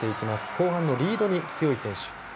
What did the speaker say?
後半のリードに強い選手。